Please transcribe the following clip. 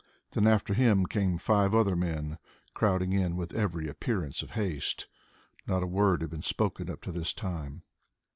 Then after him came five other men, crowding in with every appearance of haste. Not a word had been spoken up to this time.